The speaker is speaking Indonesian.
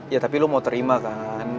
ya tapi lu mau terima kan